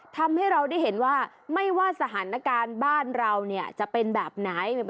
ทำให้เราได้เห็นว่าไม่ว่าสถานการณ์บ้านเราจะเป็นแบบไหน